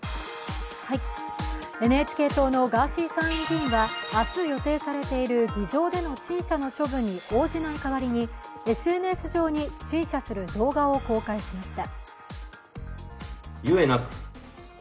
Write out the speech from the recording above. ＮＨＫ党のガーシー参院議員は明日予定されている議場での陳謝の処分に応じない代わりにＳＮＳ上に陳謝する動画を公開しました。